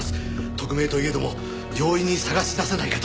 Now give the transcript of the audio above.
特命といえども容易に探し出せないかと。